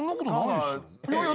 いやいや。